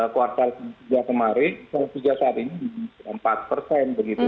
kuartal ke tiga kemarin ke tiga saat ini minus empat persen begitu